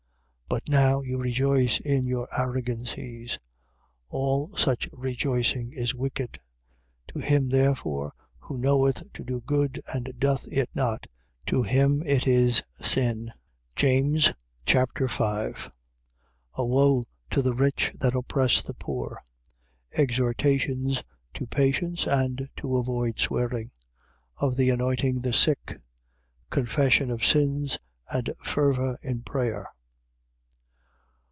4:16. But now you rejoice in your arrogancies. All such rejoicing is wicked. 4:17. To him therefore who knoweth to do good and doth it not, to him it is sin. James Chapter 5 A woe to the rich that oppress the poor. Exhortations to patience and to avoid swearing. Of the anointing the sick, confession of sins and fervour in prayer.